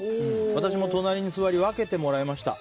私も隣に座り分けてもらいました。